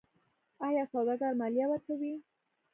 آیا سوداګر مالیه ورکوي؟